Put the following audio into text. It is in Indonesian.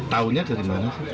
tahunya dari mana sih